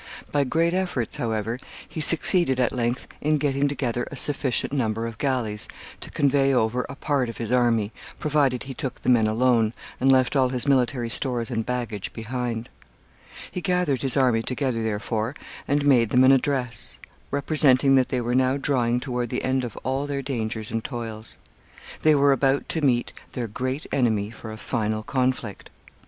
By great efforts, however, he succeeded at length in getting together a sufficient number of galleys to convey over a part of his army, provided he took the men alone, and left all his military stores and baggage behind. He gathered his army together, therefore, and made them an address, representing that they were now drawing toward the end of all their dangers and toils. They were about to meet their great enemy for a final conflict.